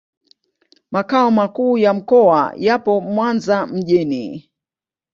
Makao makuu ya mkoa yapo Mwanza mjini.